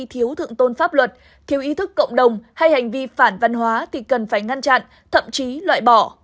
thiếu thượng tôn pháp luật thiếu ý thức cộng đồng hay hành vi phản văn hóa thì cần phải ngăn chặn thậm chí loại bỏ